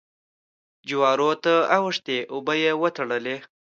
جوارو ته اوښتې اوبه يې وتړلې.